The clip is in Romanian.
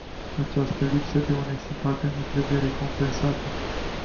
Această lipsă de onestitate nu trebuie recompensată.